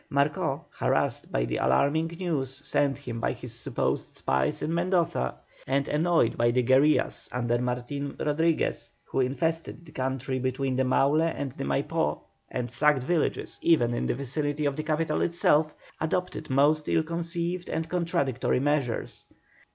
Marcó, harassed by the alarming news sent him by his supposed spies in Mendoza, and annoyed by the guerillas under Martin Rodriguez, who infested the country between the Maule and the Maipó, and sacked villages even in the vicinity of the capital itself, adopted most ill conceived and contradictory measures.